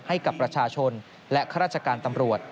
ให้กับประชาชนและข้าราชการตำรวจ